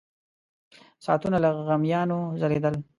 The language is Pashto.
ساعتونه له غمیانو ځلېدل.